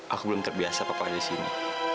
aku belum terbiasa papa di sini